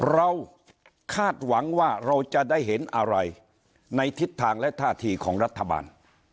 คาดหวังว่าเราจะได้เห็นอะไรในทิศทางและท่าทีของรัฐบาล